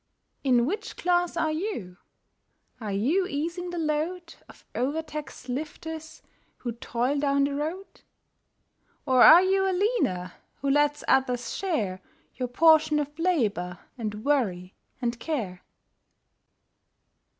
In which class are you? Are you easing the load Of overtaxed lifters, who toil down the road? Or are you a leaner, who lets others share Your portion of labour and worry and care?